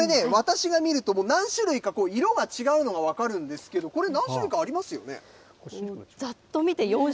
これね、私が見ると、何種類かこう、色が違うのが分かるんですけど、これ、何種類かありますよね？